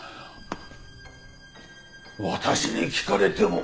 私に聞かれても。